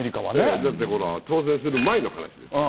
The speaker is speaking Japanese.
だって当選する前の話ですから。